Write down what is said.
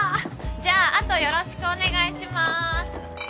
じゃあ後よろしくお願いします。